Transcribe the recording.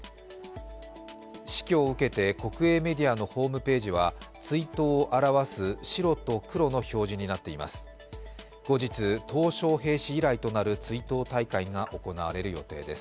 死去を受けて国営メディアのホームページは追悼を表す白と黒の表示になっています。